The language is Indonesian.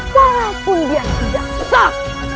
walaupun dia tidak besar